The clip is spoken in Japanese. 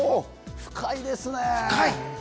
深いですね。